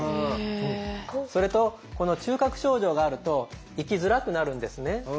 それとこの中核症状があると生きづらくなるんですね。